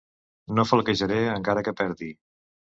No flaquejaré, encara que perdi.